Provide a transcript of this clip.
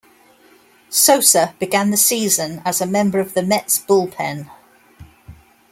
Sosa began the season as a member of the Mets bullpen.